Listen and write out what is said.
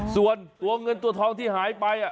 ส่วนตัวเงินตัวทองที่หายไป